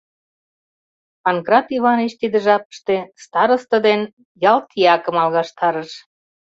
Панкрат Иваныч тиде жапыште старосто ден ял тиякым алгаштарыш.